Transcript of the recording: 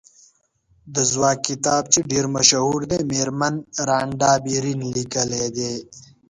د ځواک کتاب چې ډېر مشهور دی مېرمن رانډا بېرن لیکلی دی.